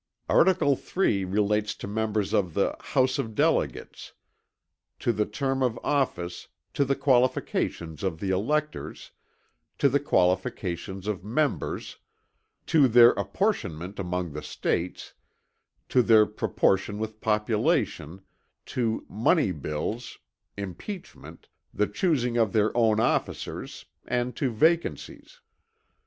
Article 3 relates to members of the "house of delegates"; to the term of office, to the qualifications of the electors, to the qualifications of members, to their apportionment among the States, to their proportion with population, to "money bills," impeachment, the choosing of their own officers, and to vacancies.